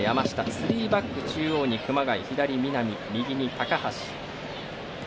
３バック、中央に熊谷左に南、右に高橋。